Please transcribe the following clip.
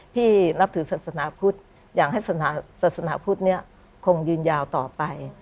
นับถือศาสนาพุทธอยากให้ศาสนาพุทธนี้คงยืนยาวต่อไป